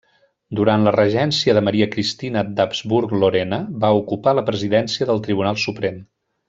Durant la regència de Maria Cristina d'Habsburg-Lorena va ocupar la presidència del Tribunal Suprem.